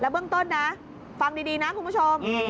พี่ตลอดค่ะฟังดีคุณผู้ชม